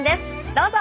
どうぞ。